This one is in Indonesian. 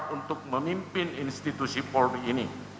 untuk memimpin institusi polri ini